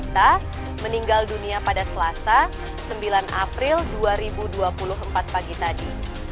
terima kasih meninggal dunia pada selasa sembilan april dua ribu dua puluh empat pagi tadi